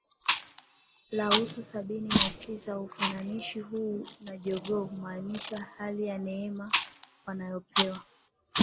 la uso Sabini na tisa Ufananishi huu na jogoo humaanisha hali ya neema wanayopewa